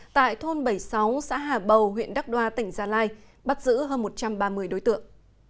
tại thôn bảy mươi sáu xã hà bầu huyện đắk đoa tỉnh gia lai bắt giữ hơn một trăm ba mươi đối tượng